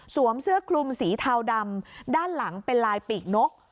เสื้อคลุมสีเทาดำด้านหลังเป็นลายปีกนก